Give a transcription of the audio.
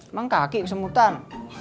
emang kaki kesemutan